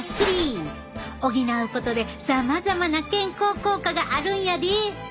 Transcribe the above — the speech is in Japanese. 補うことでさまざまな健康効果があるんやで！